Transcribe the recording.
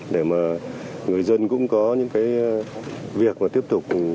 để mà người dân cũng có những việc tiếp tục